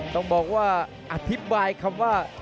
ต้องบอกว่าอธิบายคำว่า